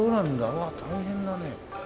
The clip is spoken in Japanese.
うわっ大変だね。